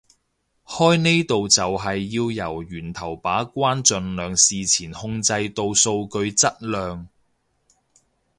開呢度就係要由源頭把關盡量事前控制到數據質量